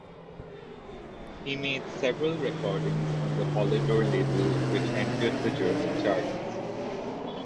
He made several recordings on the Polydor label which entered the German charts.